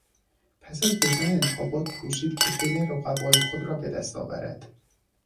پس از بردن انتخابات کوشید که دل رقبای خود را به دست آورد.